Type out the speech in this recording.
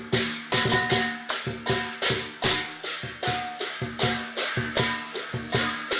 kisah tentang kehidupan yang harmoni